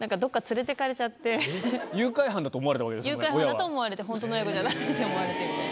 誘拐犯だと思われて本当の親子じゃないって思われてみたいな。